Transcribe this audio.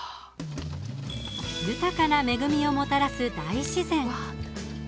豊かな恵みをもたらす大自然。